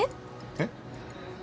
えっ？